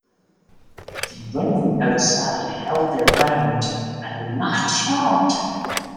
The women outside held their ground and were not shot.